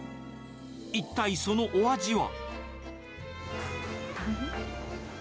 一体そのお味は。